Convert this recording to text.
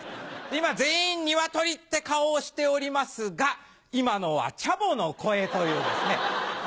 今全員「鶏！」って顔をしておりますが今のはチャボの声というですね。